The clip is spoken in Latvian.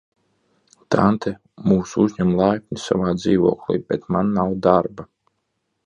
Tante mūs uzņem laipni savā dzīvoklī, bet man nav darba.